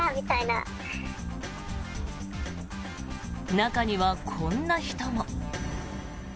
中には、こんな人も。